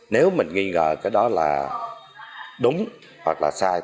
nếu mình nghi ngờ cái đó là đúng hoặc là sai